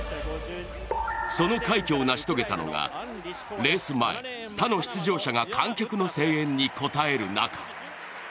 その快挙を成し遂げたのがレース前他の出場者が観客の声援に応える中